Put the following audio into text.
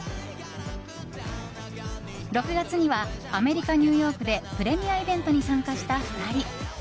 ６月にはアメリカ・ニューヨークでプレミアイベントに参加した２人。